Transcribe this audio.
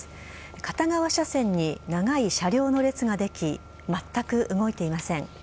片側車線に長い車両の列が出来、全く動いていません。